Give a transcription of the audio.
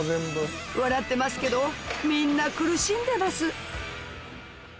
笑ってますけどみんな苦しんでます